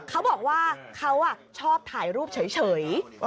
เขาบอกว่าเขาชอบถ่ายรูปเฉย